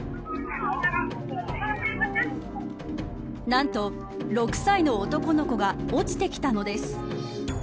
なんと、６歳の男の子が落ちてきたのです。